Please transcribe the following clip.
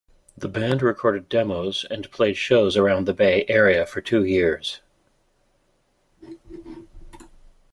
The band recorded demos and played shows around the Bay area for two years.